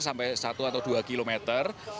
sampai satu atau dua kilometer